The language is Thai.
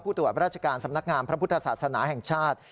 ตรวจราชการสำนักงามพระพุทธศาสนาแห่งชาติ